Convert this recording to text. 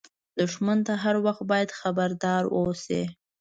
دښمن ته هر وخت باید خبردار اوسې